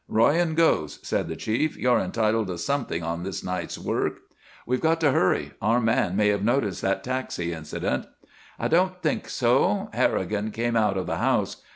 "Royan goes," said the Chief. "You're entitled to something on this night's work." "We've got to hurry. Our man may have noticed that taxi incident." "I don't think so. Harrigan came out of the house."